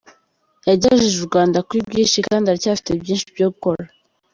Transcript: Yagejeje u Rwanda kuri byinshi kandi aracyafite byinshi byo gukora.